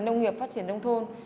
nông nghiệp phát triển nông thôn